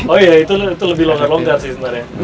oh iya itu lebih longgar longgar sih sebenarnya